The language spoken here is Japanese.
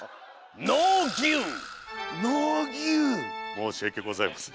もうしわけございません。